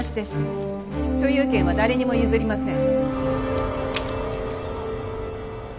所有権は誰にも譲りません。